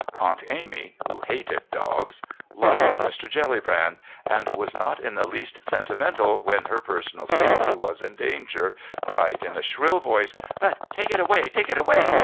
Aunt Amy, who hated dogs, loved Mr. Jellybrand, and was not in the least sentimental when her personal safety was in danger, cried in a shrill voice: "But take it away. Take it away.